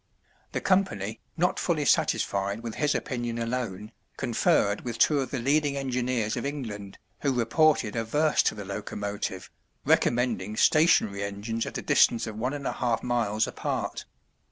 The company, not fully satisfied with his opinion alone, conferred with two of the leading engineers of England, who reported averse to the locomotive, recommending stationary engines at a distance of one and a half miles apart.